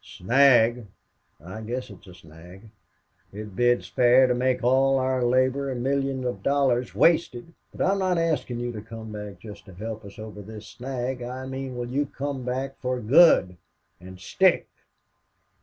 "Snag! I guess it is a snag. It bids fair to make all our labor and millions of dollars wasted.... But I'm not asking you to come back just to help us over this snag. I mean will you come back for good and stick?"